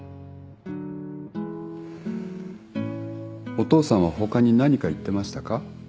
お父さんは他に何か言ってましたか。